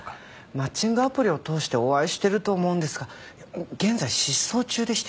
マッチングアプリを通してお会いしてると思うんですが現在失踪中でして。